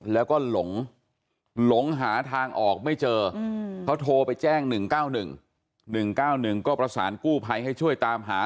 แล้วก็หลงหาทางออกไม่เจอเขาโทรไปแจ้ง๑๙๑๑๙๑ก็ประสานกู้ภัยให้ช่วยตามหา